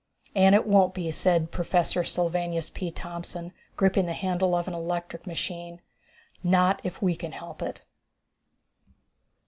"And it won't be," said Professor Sylvanus P. Thompson, gripping the handle of an electric machine, "not if we can help it."